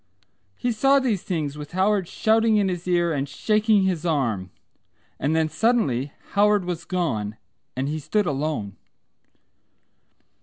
He saw these things with Howard shouting in his ear and shaking his arm. And then suddenly Howard was gone and he stood alone.